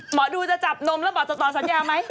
หมอดูจะจับนมแล้วบอกจะต่อสัญญาไหม